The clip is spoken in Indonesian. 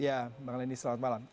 ya bang leni selamat malam